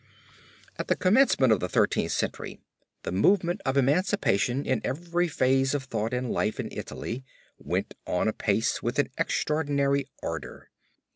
] At the commencement of the Thirteenth Century the movement of emancipation in every phase of thought and life in Italy went on apace with an extraordinary ardor.